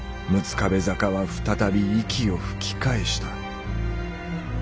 壁坂は再び息を吹き返した。